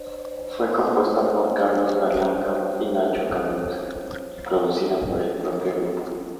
Fue compuesta por Carlos Berlanga y Nacho Canut y producida por el propio grupo.